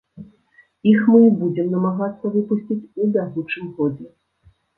Іх мы і будзем намагацца выпусціць у бягучым годзе.